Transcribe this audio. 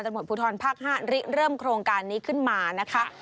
ตำรวจภูทรภาค๕ริเริ่มโครงการนี้ขึ้นมานะคะ